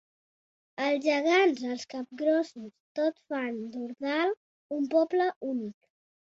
Els gegants, els capgrossos tot fan d'Ordal un poble únic.